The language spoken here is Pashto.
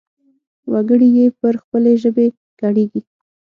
وګړي يې پر خپلې ژبې ګړيږي.